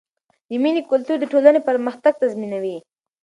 د مینې کلتور د ټولنې پرمختګ تضمینوي.